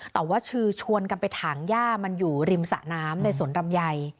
แต่ว่าคือชวนกันไปถังย่ามันอยู่ริมสะน้ำในสวนลำไย